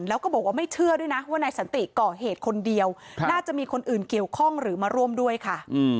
แล้วก็บอกว่าไม่เชื่อด้วยนะว่านายสันติก่อเหตุคนเดียวน่าจะมีคนอื่นเกี่ยวข้องหรือมาร่วมด้วยค่ะ